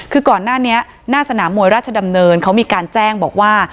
คือก่อนหน้านี้หน้าสนามมวยราชดำเนินเขามีการแจ้งบอกว่า